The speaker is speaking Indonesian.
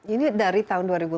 ini dari tahun dua ribu tujuh belas